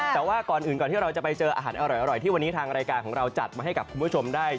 แต่ว่าก่อนอื่นก่อนที่เราจะไปเจออาหารอร่อยที่วันนี้ทางรายการของเราจัดมาให้กับคุณผู้ชมได้